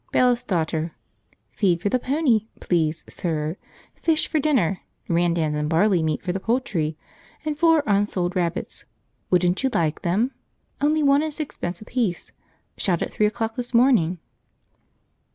Bailiff's Daughter. "Feed for the pony, please, sir; fish for dinner; randans and barley meal for the poultry; and four unsold rabbits. Wouldn't you like them? Only one and sixpence apiece. Shot at three o'clock this morning."